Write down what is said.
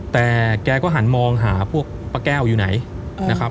แต่แกก็หันมองหาพวกป้าแก้วอยู่ไหนนะครับ